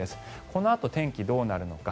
このあと天気どうなるのか。